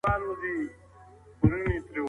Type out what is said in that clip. زه له سهاره د ورزش کولو تمرين کوم.